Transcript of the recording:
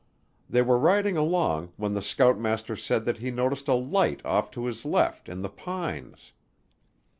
They were riding along when the scoutmaster said that he noticed a light off to his left in the pines.